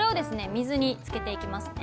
水につけていきますね。